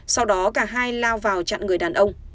sau đó cả hai lao vào chặn người đàn ông